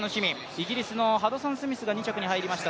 イギリスのハドソンスミスが２着に入りました。